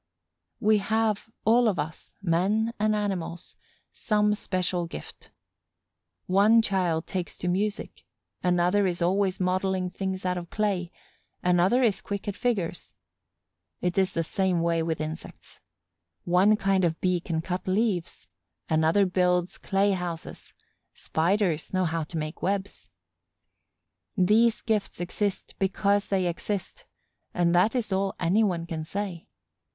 We have all of us, men and animals, some special gift. One child takes to music, another is always modeling things out of clay; another is quick at figures. It is the same way with insects. One kind of Bee can cut leaves; another builds clay houses, Spiders know how to make webs. These gifts exist because they exist, and that is all any one can say.